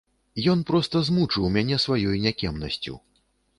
Ён проста змучыў мяне сваёй някемнасцю.